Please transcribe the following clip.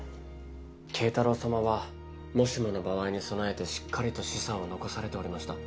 啓太郎様はもしもの場合に備えてしっかりと資産を残されておりました。